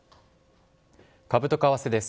株と為替です。